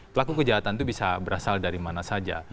pelaku kejahatan itu bisa berasal dari mana saja